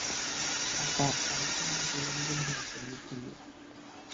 টাকা অনেকের মধ্যে লেনদেন হয়েছে, মিথিলি।